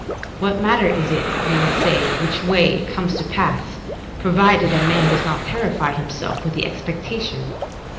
What matter is it, you will say, which way it comes to pass, provided a man does not terrify himself with the expectation?